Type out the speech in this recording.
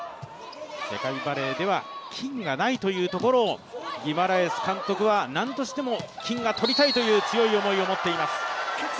世界バレーでは金がないというところをギマラエス監督は何としても金を取りたいという強い思いを持っています。